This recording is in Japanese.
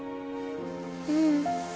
うん。